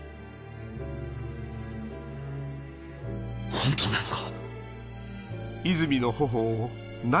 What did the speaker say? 本当なのか？